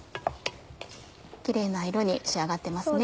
キレイな色に仕上がってますね。